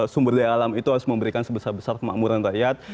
sumber daya alam itu harus memberikan sebesar besar kemakmuran rakyat